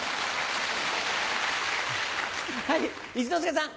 はい一之輔さん。